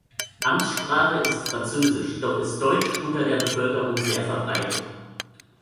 Amtssprache ist Französisch, doch ist Deutsch unter der Bevölkerung sehr verbreitet.